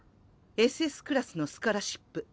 ＳＳクラスのスカラシップ